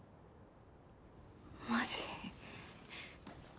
マジ？